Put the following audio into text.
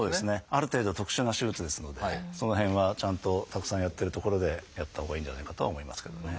ある程度特殊な手術ですのでその辺はちゃんとたくさんやってる所でやったほうがいいんじゃないかとは思いますけどね。